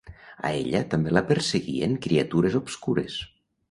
A ella també la perseguien criatures obscures.